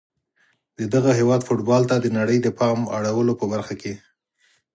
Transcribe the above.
د دغه هیواد فوټبال ته د نړۍ د پام اړولو په برخه کي